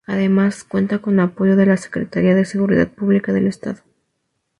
Además, cuenta con apoyo de la Secretaría de Seguridad Pública del Estado.